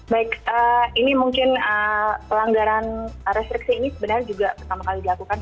baik ini mungkin pelanggaran restriksi ini sebenarnya juga pertama kali dilakukan